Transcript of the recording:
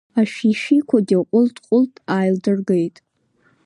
Ашәишәиқәагьы ҟәылт-ҟәылт ааилдыргеит.